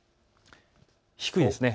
低いです。